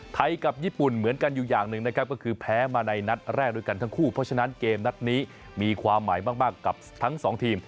กับญี่ปุ่นเหมือนกันอยู่อย่างหนึ่งนะครับก็คือแพ้มาในนัดแรกด้วยกันทั้งคู่เพราะฉะนั้นเกมนัดนี้มีความหมายมากกับทั้งสองทีม